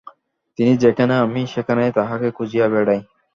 তিনি যেখানে আমি সেখানেই তাঁহাকে খুঁজিয়া বেড়াই।